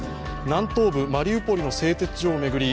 南東部マリウポリの製鉄所を巡り